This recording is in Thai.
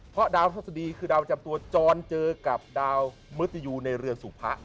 เพราะดาวทัศดีคือดาวจำตัวจรเจอกับดาวมฤตยูในเรือนสุพะ